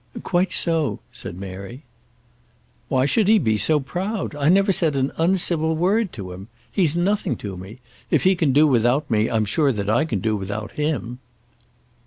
"Quite so," said Mary. "Why should he be so proud? I never said an uncivil word to him. He's nothing to me. If he can do without me, I'm sure that I can do without him."